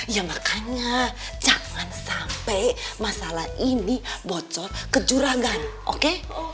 ya makanya jangan sampai masalah ini bocor kecurangan oke